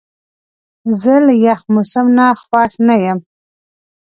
زه له یخ موسم نه خوښ نه یم.